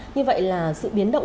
như vậy là sự biến động